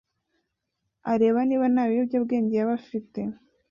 areba niba nta biyobyabwenge yaba afite